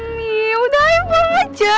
nih udah ayo balik aja